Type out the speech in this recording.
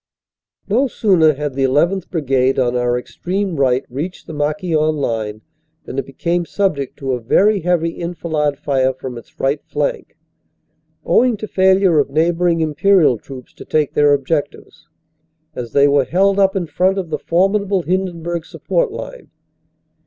No sooner had the llth. Brigade on our extreme right reached the Marquion line than it became subject to a very heavy enfilade fire from its right flank, owing to failure of neighboring Imperial troops to take their objectives, as they were held up in front of the formidable Hindenburg Support line.